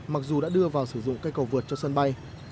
mặc dù đã đưa vào sử dụng cây cầu vượt cho sân bay